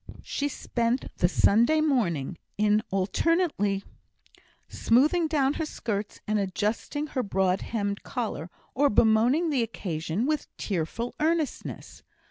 She spent the Sunday morning in alternately smoothing down her skirts and adjusting her broad hemmed collar, or bemoaning the occasion with tearful earnestness.